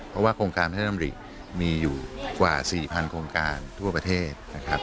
เพราะว่าโครงการพระราชดำริมีอยู่กว่า๔๐๐โครงการทั่วประเทศนะครับ